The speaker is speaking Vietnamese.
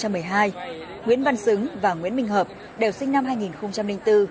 và nguyễn văn sứng và nguyễn minh hợp đều sinh năm hai nghìn bốn